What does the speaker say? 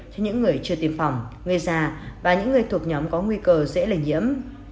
điều đáng ngạc nhiên là có nhiều người tiêm phòng người già và những người thuộc nhóm có nguy cơ dễ lệ nhiễm